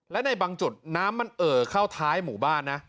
และในบางจุดน้ำมันเอ่อเข้าท้ายหมู่บ้านนะ